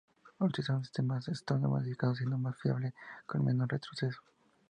Utiliza un sistema Stoner modificado, siendo más fiable y con menos retroceso.